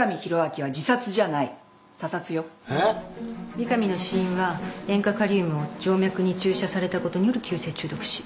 三上の死因は塩化カリウムを静脈に注射されたことによる急性中毒死。